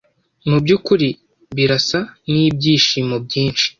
Mubyukuri birasa nibyishimo byinshi.